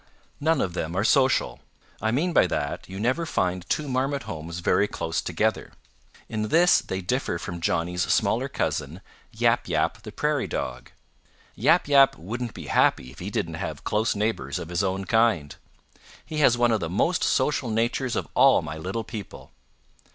None of them are social. I mean by that you never find two Marmot homes very close together. In this they differ from Johnny's smaller cousin, Yap Yap the Prairie Dog. Yap Yap wouldn't be happy if he didn't have close neighbors of his own kind. He has one of the most social natures of all my little people."